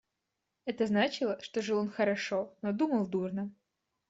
Это значило, что он жил хорошо, но думал дурно.